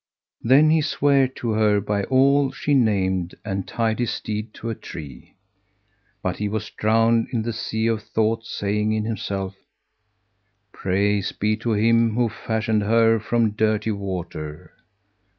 Then he sware to her by all she named and tied his steed to a tree; but he was drowned in the sea of thought, saying in himself, "Praise be to Him who fashioned her from dirty water!"